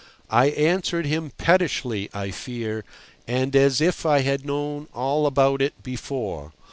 I answered him pettishly, I fear, and as if I had known all about it before.